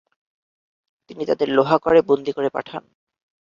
তিনি তাদের লোহাগড়ে বন্দী করে পাঠান।